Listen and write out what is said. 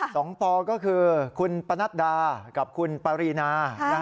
ปอก็คือคุณปนัดดากับคุณปรีนา